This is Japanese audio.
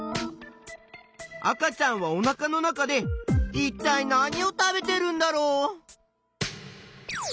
赤ちゃんはおなかの中でいったい何を食べてるんだろう？